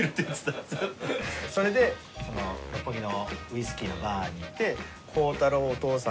それで六本木のウイスキーのバーに行って孝太郎お父さん